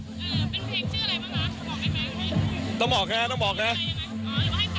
เป็นเพลงชื่ออะไรบ้างนะต้องบอกไอ้แมงให้